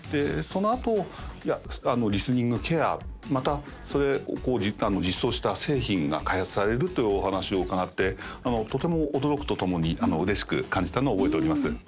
そのあとリスニングケアまたそれを実装した製品が開発されるというお話を伺ってとても驚くとともに嬉しく感じたのを覚えております